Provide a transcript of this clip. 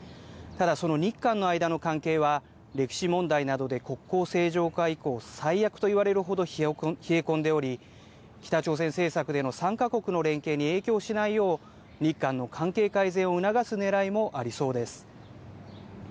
ただその日韓の間の関係は、歴史問題などで国交正常化以降、最悪と言われるほど冷え込んでおり、北朝鮮政策での３か国の連携に影響しないよう、日韓の関係改善を促すねらいもありそうです。